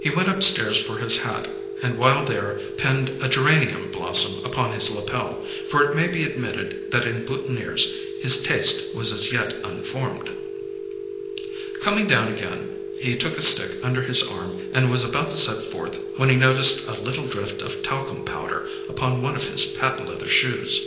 He went upstairs for his hat, and while there pinned a geranium blossom upon his lapel, for it may be admitted that in boutonnières his taste was as yet unformed. Coming down again, he took a stick under his arm and was about to set forth when he noticed a little drift of talcum powder upon one of his patent leather shoes.